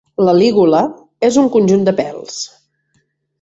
La lígula és un conjunt de pèls.